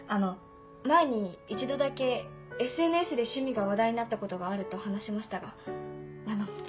前に一度だけＳＮＳで趣味が話題になったことがあると話しましたがあの。